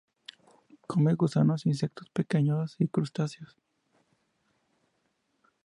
Come gusanos, insectos pequeños y crustáceos.